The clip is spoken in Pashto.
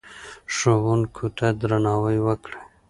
ښوونکو ته درناوی وکړئ.